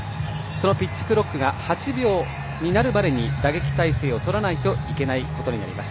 そのピッチクロックが８秒になるまでに打撃体勢をとらなければいけないということになります。